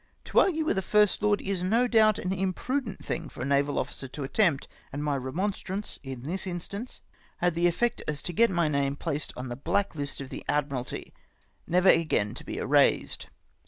To argue with a First Lord is no doubt an imprudent tiling for a naval officer to attempt, and my remon strance in this instance had such an effect as to get my name placed on the black hst of the Admiralty, never again to be erased.